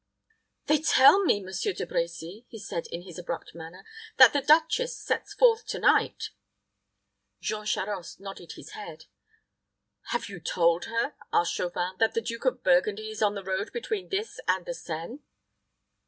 "They tell me, Monsieur De Brecy," he said in his abrupt manner, "that the duchess sets forth to night." Jean Charost nodded his head. "Have you told her," asked Chauvin, "that the Duke of Burgundy is on the road between this and the Seine?"